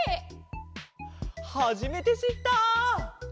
はじめてしった！